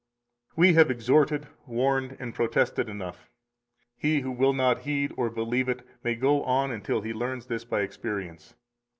248 We have exhorted, warned, and protested enough; he who will not heed or believe it may go on until he learns this by experience.